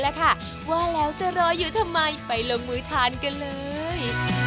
แล้วค่ะว่าแล้วจะรออยู่ทำไมไปลงมือทานกันเลย